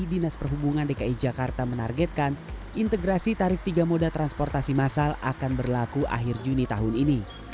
dinas perhubungan dki jakarta menargetkan integrasi tarif tiga moda transportasi masal akan berlaku akhir juni tahun ini